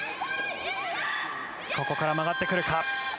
ここから曲がってくるか。